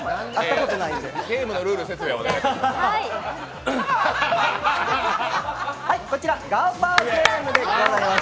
ガオちゃん、ゲームのルール説明お願いします。